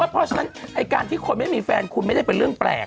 เพราะฉะนั้นการที่คนไม่มีแฟนคุณไม่ได้เป็นเรื่องแปลก